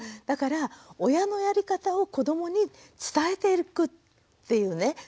だから親のやり方を子どもに伝えていくっていうね。